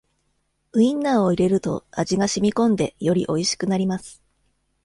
ウインナーを入れると味がしみこんでよりおいしくなります